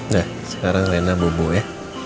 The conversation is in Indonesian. nah sekarang lena bobo ya